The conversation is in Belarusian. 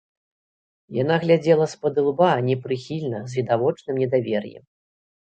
Яна глядзела спадылба, непрыхільна, з відавочным недавер'ем.